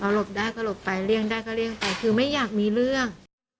หลบได้ก็หลบไปเลี่ยงได้ก็เลี่ยงไปคือไม่อยากมีเรื่อง